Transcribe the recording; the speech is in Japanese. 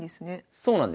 そうなんですよ。